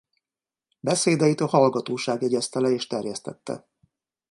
Beszédeit a hallgatóság jegyezte le és terjesztette.